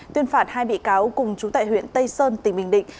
tuyên phạt hai bị cáo cùng chú tại huyện tây sơn tỉnh bình định